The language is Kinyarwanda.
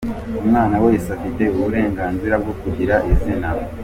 Umwana wese afite uburenganzira bwo kugira izina.